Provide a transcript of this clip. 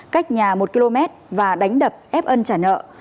cách nhà một km và đánh đập ép ân trả nợ